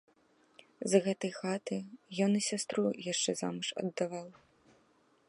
З гэтай хаты ён і сястру яшчэ замуж аддаваў.